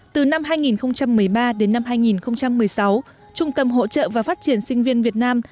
từ năm hai nghìn một mươi ba đến năm hai nghìn một mươi sáu trung tâm hỗ trợ và phát triển sinh viên việt nam